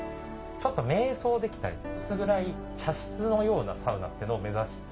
ちょっと瞑想できたり薄暗い茶室のようなサウナっていうのを目指して。